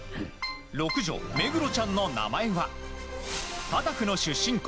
六女、メグロちゃんの名前はタタフの出身校